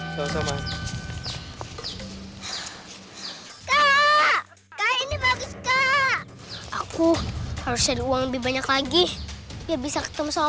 kakak ini bagus kak aku harus uang lebih banyak lagi ya bisa ketemu sama